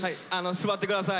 座ってください